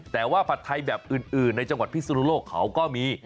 แต่ว่าผัดไทยแบบอื่นในจังหวัดพิศนุโลกเขาก็มี